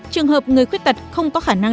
trường hợp người khuyết tật không có khả năng